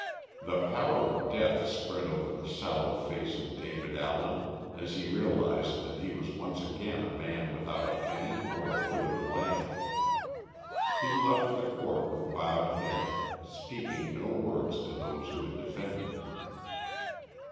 The pallor of death spread over the sallow face of David Allen, as he realised that he was once again a man without a penny or a foot of land. He left the court with bowed head, speaking no word to those who had defended him.